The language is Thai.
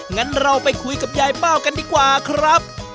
งั้นเราไปคุยกับยายเป้ากันดีกว่าครับ